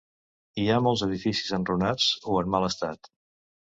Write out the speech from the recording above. Hi ha molts edificis enrunats o en mal estat.